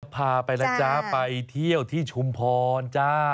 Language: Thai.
พาไปนะจ๊ะไปเที่ยวที่ชุมพรจ้า